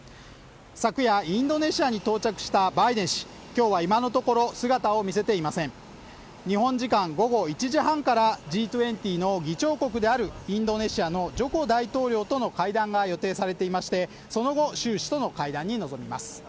昨夜インドネシアに到着したバイデン氏、今日は今のところ姿を見せていません日本時間午後１時半からＧ２０の議長国であるインドネシアのジョコ大統領との会談が予定されていましてその後習氏との会談に臨みます